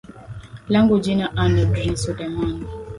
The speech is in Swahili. langu jina a nurdin suleman